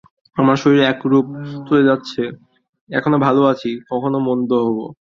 আমার শরীর একরূপ চলে যাচ্ছে, কখনও ভাল আছি, কখনও মন্দ।